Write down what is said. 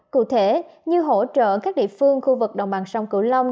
cụ thể như hỗ trợ các địa phương khu vực đồng bằng sông cửu long